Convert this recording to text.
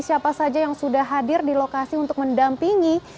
siapa saja yang sudah hadir di lokasi untuk mendampingi